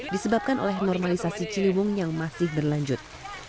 disebabkan oleh normalisasi ciliwung yang masih berlanjut